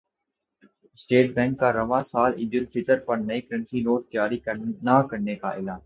state bank کا رواں سال عیدالفطر پر نئے کرنسی نوٹ جاری نہ کرنے کا اعلان